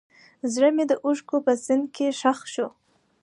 زړه مې د اوښکو په سیند کې ښخ شو.